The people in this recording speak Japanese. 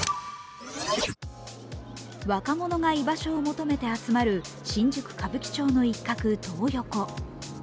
若者が居場所を求めて集まる新宿・歌舞伎町の一角、トー横。